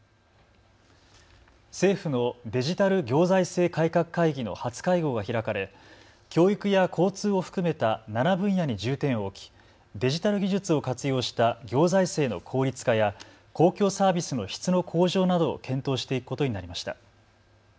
政府のデジタル行財政改革会議の初会合が開かれ教育や交通を含めた７分野に重点を置きデジタル技術を活用した行財政の効率化や公共サービスの質の向上などを検討していくことになりました。